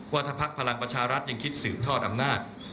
ว่าถ้าพักพลังประชารัฐยังคิดสืบทอดอำนาจ